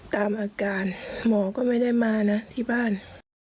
ตามอาการหมอก็ไม่ได้มานะที่บ้าน